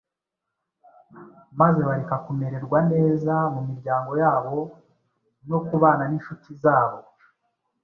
maze bareka kumererwa neza mu miryango yabo no kubana n’incuti zabo,